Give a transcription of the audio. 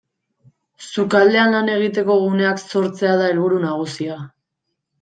Sukaldean lan egiteko guneak sortzea da helburu nagusia.